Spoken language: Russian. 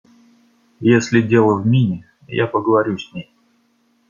Если дело в Минни, я поговорю с ней.